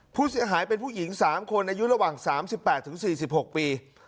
ผู้เสียหายเป็นผู้หญิงสามคนอายุระหว่างสามสิบแปดถึงสี่สิบหกปี